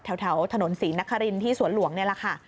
แถวถนนศรีนครินที่สวนหลวงนี่แหละค่ะ